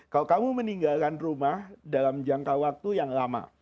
kalau kamu meninggalkan rumah dalam jangka waktu yang lama